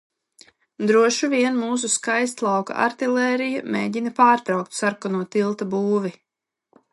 Droši vien mūsu Skaistlauka artilērija mēģina pārtraukt sarkano tilta būvi.